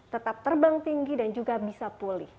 tetap terbang tinggi dan juga bisa pulih